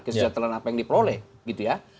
kesejahteraan apa yang diperoleh gitu ya